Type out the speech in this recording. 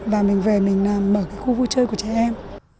và mình về mình mở cái khu vui chơi của trẻ em